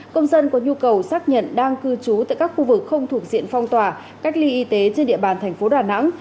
công dân có nhu cầu xác nhận đang cư trú tại các khu vực không thuộc diện phong tỏa cách ly y tế trên địa bàn thành phố đà nẵng